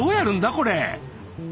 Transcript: これ。